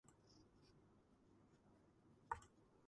მთავარ როლებში არიან ნატალი პორტმანი და ეშლი ჯადი.